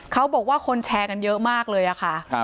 เขาบอกว่าคนแชร์กันเยอะมากเลยค่ะ